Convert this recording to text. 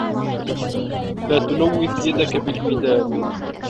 لَا تَلَوِّثْ يَدَيْكَ بِالْمِدَادِ.